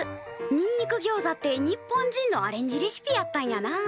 にんにくギョウザって日本人のアレンジレシピやったんやなあ。